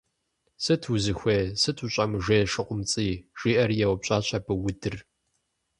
Сыт узыхуейр, сыт ущӀэмыжейр, ШыкъумцӀий, - жиӀэри еупщӀащ абы Удыр.